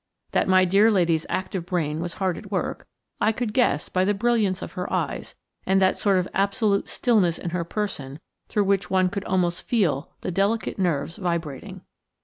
That my dear lady's active brain was hard at work I could guess by the brilliance of her eyes, and that sort of absolute stillness in her person through which one could almost feel the delicate nerves vibrating.